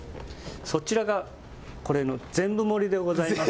そちらがこれの全部盛でございます。